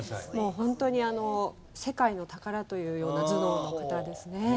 もうホントに世界の宝というような頭脳の方ですね。